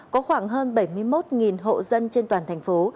có khoảng hơn bảy mươi một hộ dân trên toàn thành phố